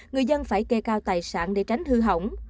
người dân phải kê cao tài sản để tránh hư hỏng